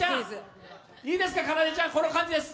いいですか、かなでちゃん、この感じです。